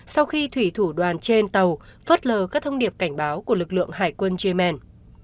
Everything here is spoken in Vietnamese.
sau khi thủy thủ đoàn trên tàu phớt lờ các thông điệp cảnh báo của lực lượng hải quân yemen